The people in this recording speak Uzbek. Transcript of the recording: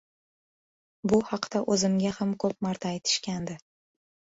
bu haqda o‘zimga ham ko‘p marta aytishgandi.